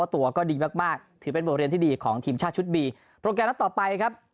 ตัวก็ดีมากมากถือเป็นบทเรียนที่ดีของทีมชาติชุดบีโปรแกรมนัดต่อไปครับ